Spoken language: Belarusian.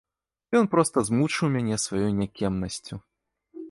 Ён проста змучыў мяне сваёй някемнасцю.